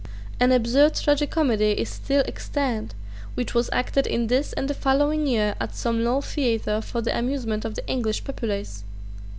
An absurd tragicomedy is still extant, which was acted in this and the following year at some low theatre for the amusement of the English populace.